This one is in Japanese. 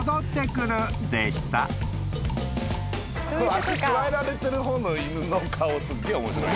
足くわえられてる方の犬の顔すげえ面白い。